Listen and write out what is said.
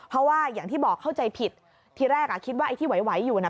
เพราะว่าอย่างที่บอกเข้าใจผิดทีแรกอ่ะคิดว่าไอ้ที่ไหวอยู่น่ะ